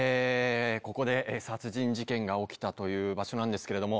ここで殺人事件が起きたという場所なんですけれども。